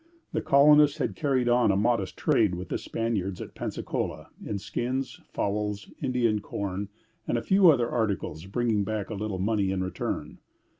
The colonists had carried on a modest trade with the Spaniards at Pensacola in skins, fowls, Indian corn, and a few other articles, bringing back a little money in return.